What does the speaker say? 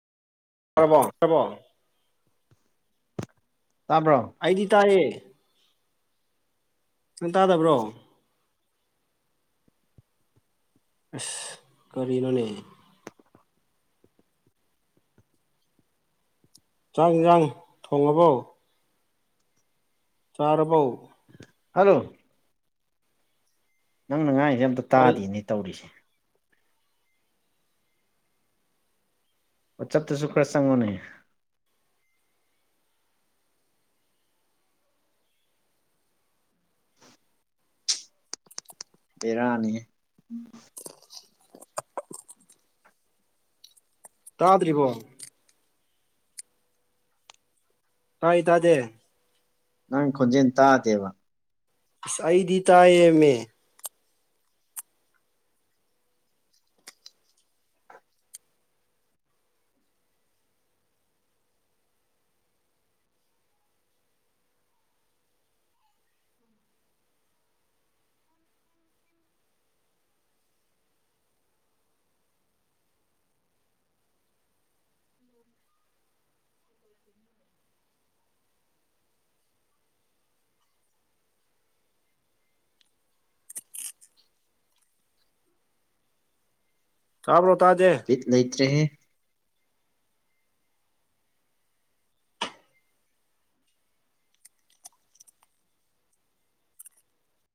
ꯄꯃꯣ ꯁꯔꯕꯣ ꯇꯥꯕ꯭ꯔꯣ ꯑꯩꯗꯤ ꯇꯥꯏꯌꯦ ꯅꯪ ꯇꯥꯗꯕ꯭ꯔꯣ ꯑꯁ ꯀꯔꯤꯅꯣꯅꯦ ꯌꯥꯪ ꯌꯥꯪ ꯊꯣꯡꯉꯕꯧ ꯆꯥꯔꯕꯧ ꯍꯜꯂꯣ ꯅꯪꯅ ꯉꯥꯏꯔꯤꯁꯦ ꯑꯝꯇ ꯑꯩ ꯇꯥꯗꯦꯅꯦ ꯇꯧꯔꯤꯁꯦ ꯑꯣ ꯆꯠꯇꯁꯨ ꯈꯔ ꯆꯪꯉꯣꯅꯦ ꯄꯔꯥꯅꯤ [unintelligible] ꯇꯥꯗ꯭ꯔꯤꯕꯣ ꯇꯥꯏ ꯇꯗꯦ ꯅꯪ ꯈꯣꯟꯖꯦꯜ ꯇꯥꯗꯦꯕ ꯏꯁꯥꯏꯗꯤ ꯇꯑꯌꯦ ꯃ ꯇꯥꯕ꯭ꯔꯣ ꯇꯥꯖꯦ ꯀꯤꯠ ꯂꯩꯇ꯭ꯔꯦꯍꯦ